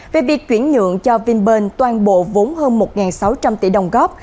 về việc chuyển nhượng cho vinbe toàn bộ vốn hơn một sáu trăm linh tỷ đồng góp